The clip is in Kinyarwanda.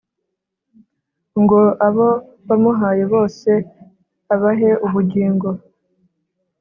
ngo abo wamuhaye bose abahe ubugingo